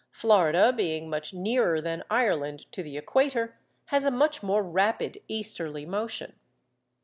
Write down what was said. Florida being much nearer than Ireland to the equator, has a much more rapid easterly motion.